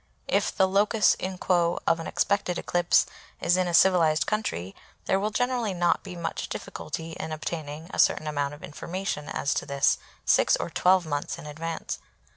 If the locus in quo of an expected eclipse is in a civilised country, there will generally not be much difficulty in obtaining a certain amount of information as to this 6 or 12 months in advance.